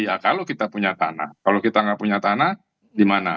ya kalau kita punya tanah kalau kita nggak punya tanah di mana